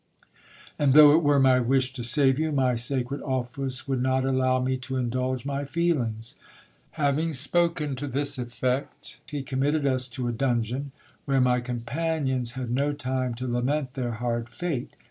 And though it were my wish to save you, my sacred office would not allow me to indulge my feelings. Having spoken to this effect, he committed us to a dungeon, where my companions had no time to lament their hard fate.